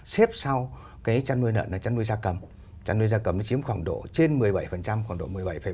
xếp sau cái chăn nuôi lợn là chăn nuôi gia cầm chăn nuôi gia cầm nó chiếm khoảng độ trên một mươi bảy khoảng độ một mươi bảy ba